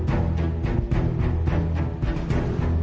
โอเค